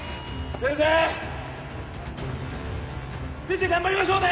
先生頑張りましょうね！